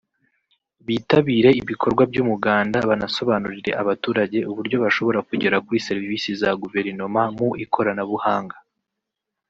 bitabire ibikorwa by’Umuganda banasobanurire abaturage uburyo bashobora kugera kuri serivisi za guverinoma mu ikoranabuhanga